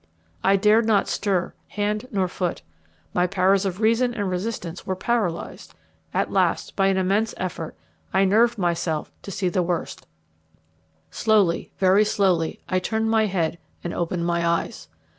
I dared not stir hand nor foot. My powers of reason and resistance were paralysed. At last, by an immense effort, I nerved myself to see the worst. Slowly, very slowly, I turned my head and opened my eyes.